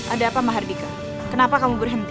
ada apa mahardika kenapa kamu berhenti